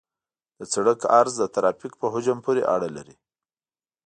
د سرک عرض د ترافیک په حجم پورې اړه لري